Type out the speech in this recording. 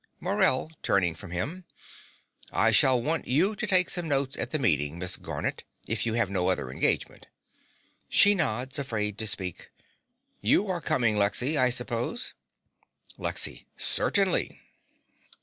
MORELL (turning from him). I shall want you to take some notes at the meeting, Miss Garnett, if you have no other engagement. (She nods, afraid to speak.) You are coming, Lexy, I suppose. LEXY. Certainly.